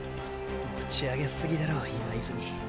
持ち上げすぎだろ今泉。